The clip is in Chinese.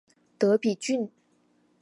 德比郡。